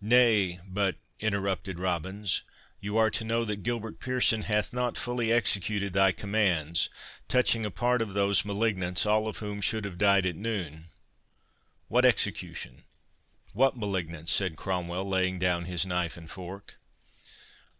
"Nay, but," interrupted Robins, "you are to know that Gilbert Pearson hath not fully executed thy commands, touching a part of those malignants, all of whom should have died at noon." "What execution—what malignants?" said Cromwell, laying down his knife and fork.